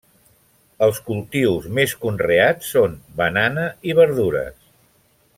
Els cultius més conreats són banana i verdures.